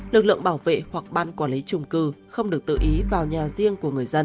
lực lượng bảo vệ hoặc ban quản lý trung cư không được tự ý vào nhà riêng của người dân